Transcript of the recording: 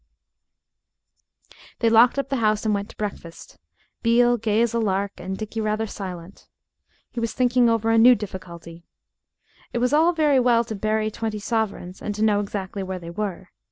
They locked up the house and went to breakfast, Beale gay as a lark and Dickie rather silent. He was thinking over a new difficulty. It was all very well to bury twenty sovereigns and to know exactly where they were.